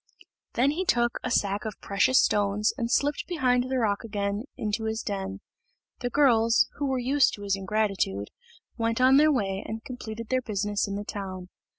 Then he took a sack of precious stones, and slipped behind the rock again into his den. The girls, who were used to his ingratitude, went on their way, and completed their business in the town.